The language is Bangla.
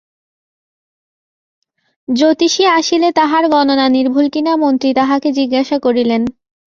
জ্যোতিষী আসিলে তাহার গণনা নির্ভুল কিনা মন্ত্রী তাহাকে জিজ্ঞাসা করিলেন।